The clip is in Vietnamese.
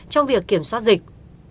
trong việc kiểm soát dịch